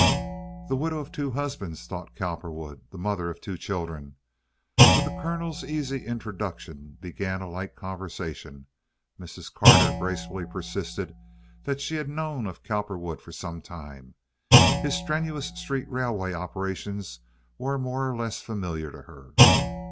"The widow of two husbands," thought Cowperwood; "the mother of two children!" With the Colonel's easy introduction began a light conversation. Mrs. Carter gracefully persisted that she had known of Cowperwood for some time. His strenuous street railway operations were more or less familiar to her.